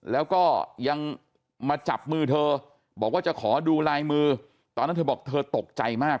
แล้วก็ยังมาจับมือเธอบอกว่าจะขอดูลายมือตอนนั้นเธอบอกเธอตกใจมาก